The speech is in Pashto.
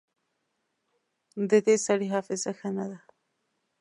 د دې سړي حافظه ښه نه ده